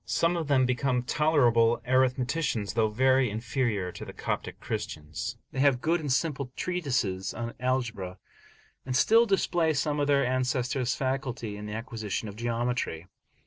Some of them become tolerable arithmeticians, though very inferior to the Coptic Christians; they have good and simple treatises on algebra, and still display some of their ancestors' facility in the acquisition of geometry.